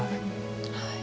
はい。